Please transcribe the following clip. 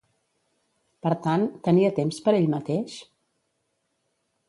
Per tant, tenia temps per ell mateix?